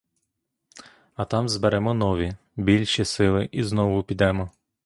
А там зберемо нові, більші сили і знову підемо.